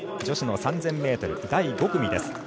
女子の３０００ｍ、第５組です。